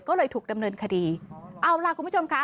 ก็เลยถูกดำเนินคดีเอาล่ะคุณผู้ชมค่ะ